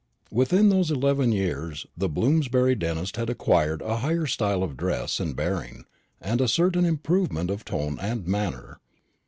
Within those eleven years the Bloomsbury dentist had acquired a higher style of dress and bearing, and a certain improvement of tone and manner.